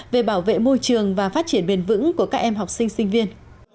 về bảo vệ môi trường và phát triển bền vững của các em học sinh sinh viên